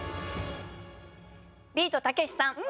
ビートたけしさん